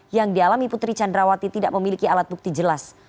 yang dialami putri candrawati tidak memiliki alat bukti jelas